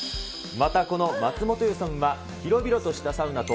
またこの松本湯さんは、広々としたサウナと、